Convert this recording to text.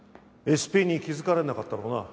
ＳＰに気づかれなかっただろうな？